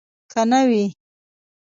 که نه وي.